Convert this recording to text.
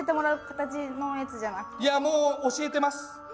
いやもう教えてます。